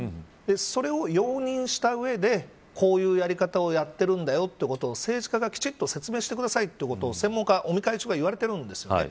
それを容認した上でこういうやり方をやっているんだよということを政治家がきちんと説明してくださいと専門家尾身会長が言われてるんです。